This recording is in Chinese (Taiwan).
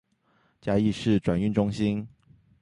嘉義市轉運中心